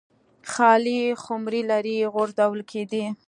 خالي خُمرې لرې غورځول کېدې.